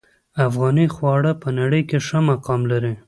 افغاني خواړه په نړۍ ښه مقام لري